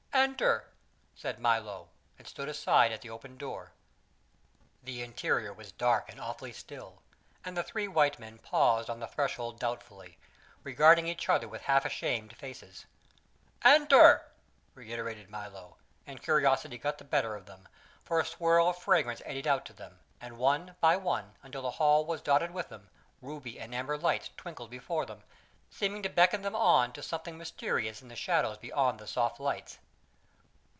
"Enter!" said Milo, and stood aside at the open door. The interior was dark and awfully still, and the three white men paused on the threshold doubtfully, regarding each other with half ashamed faces. "Enter!" reiterated Milo, and curiosity got the better of them, for a swirl of fragrance eddied out to them, and one by one, until the hall was dotted with them, ruby and amber lights twinkled before them, seeming to beckon them on to something mysterious in the shadows beyond the soft lights.